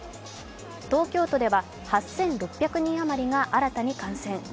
東京都では８６００人余りが新たに感染。